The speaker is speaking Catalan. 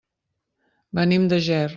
Venim de Ger.